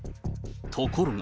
ところが。